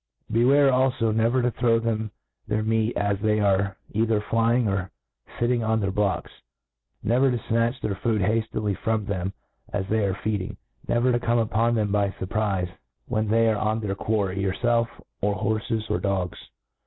Beware alfo never to throw them their meat as they are ei ther flying, or fitting oft their blocks ; ncvjer tq ^atch their food haftily from them, as they are feeding > neyer to come upon them by furprife, when 148 A T RJl ATISE OF when they are on their quarry, yourfelf, or horics, or dogs.